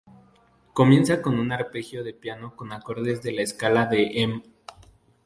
Comienza con un arpegio de piano con acordes de la escala de Em.